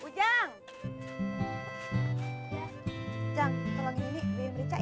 ujang tolong ini biar merica ya